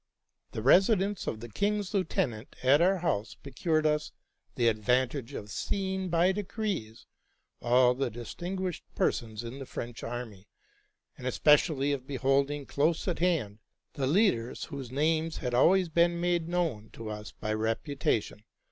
The residence of the king's lieutenant at our house pro cured us the advantage of seeing by degrees all the dis tinguished persons in the French army, and especially of beholding close at hand the leaders whose names had already been made known to us by reputation.